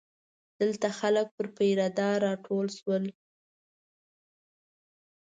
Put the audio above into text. دلته خلک پر پیره دار راټول شول.